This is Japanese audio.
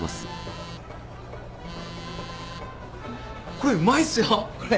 これうまいっすよこれ。